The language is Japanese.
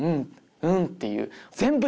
「うん」っていう。